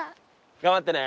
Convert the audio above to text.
頑張ってね。